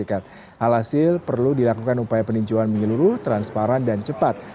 alhasil perlu dilakukan upaya peninjauan menyeluruh transparan dan cepat